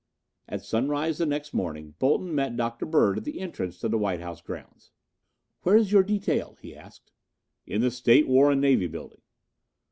At sunrise the next morning, Bolton met Dr. Bird at the entrance to the White House grounds. "Where is your detail?" he asked. "In the State, War and Navy Building."